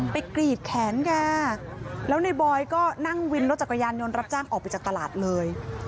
กรีดแขนแกแล้วในบอยก็นั่งวินรถจักรยานยนต์รับจ้างออกไปจากตลาดเลย